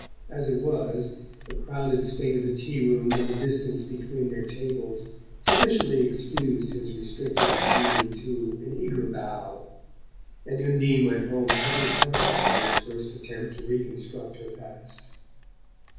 As it was, the crowded state of the tea room, and the distance between their tables, sufficiently excused his restricting his greeting to an eager bow; and Undine went home heavy hearted from this first attempt to reconstruct her past.